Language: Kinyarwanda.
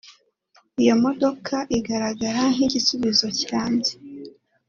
Iyo modoka igaragara nk’igisubizo kirambye